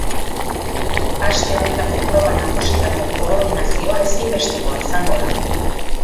Aste honetako proba nagusirako koordinazioa ezinbestekoa izango da.